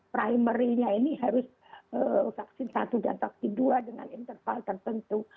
primary nya ini harus vaksin satu dan vaksin dua dengan interval tertentu